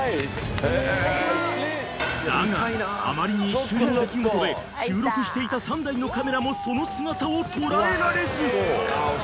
［だがあまりに一瞬の出来事で収録していた３台のカメラもその姿を捉えられず］